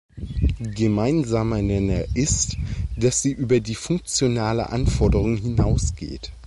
Gemeinsamer Nenner ist, dass sie über die funktionale Anforderung hinaus geht.